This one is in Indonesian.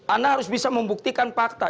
anda harus bisa membuktikan fakta